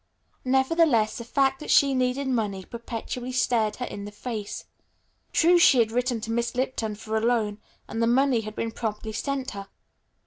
Nevertheless the fact that she needed money perpetually stared her in the face. True she had written to Miss Lipton for a loan, and the money had been promptly sent her.